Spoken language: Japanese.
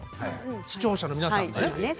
視聴者の皆さんがね。